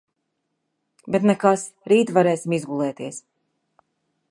Bet nekas, rīt varēsim izgulēties.